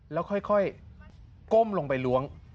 แล้วค่อยก้มลงไปล้วง